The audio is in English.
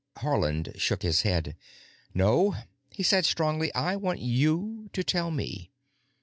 Haarland shook his head. "No," he said strongly, "I want you to tell me.